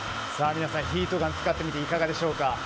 皆さんヒートガンを使ってみていかがでしょうか。